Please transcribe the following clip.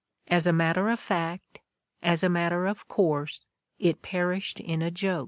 As a matter of fact, as a matter of course, it perished in a joke.